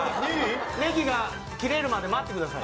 ネギが切れるまで待ってください。